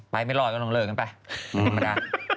ไปไม่ร้อยก็ต้องเลิกยังไง